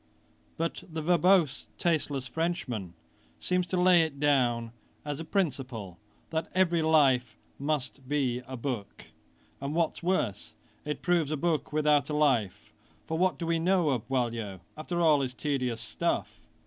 But the verbose, tasteless Frenchman seems to lay it down as a principle, that every life must be a book, and what's worse, it proves a book without a life; for what do we know of Boileau, after all his tedious stuff?